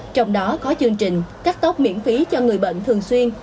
trong đó có chương trình cắt tóc miễn phí cho người bệnh thường xuyên